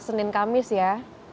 senin kamis ya